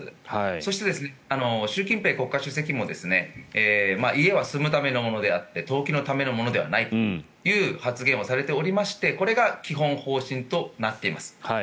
そして、習近平国家主席も家は住むためのものであって投機のためのものではないという発言をされておりましてこれが基本方針となっています。